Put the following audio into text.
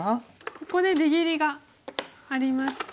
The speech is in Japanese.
ここで出切りがありまして。